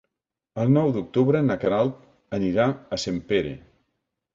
El nou d'octubre na Queralt anirà a Sempere.